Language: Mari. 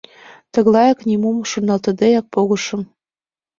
— Тыглаяк, нимом шоналтыдеак погышым.